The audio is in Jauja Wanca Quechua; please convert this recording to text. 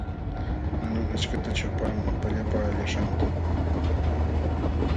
Manam achkatachu apaamun pallapaqllaśhqantam.